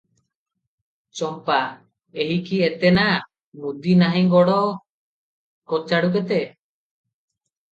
ଚମ୍ପା - 'ଏହିକି ଏତେ ନା - ମୁଦି ନାହିଁ ଗୋଡ଼ କଚାଡୁ କେତେ?